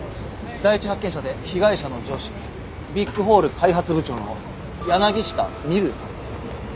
第一発見者で被害者の上司ビッグホール開発部長の柳下美瑠さんです。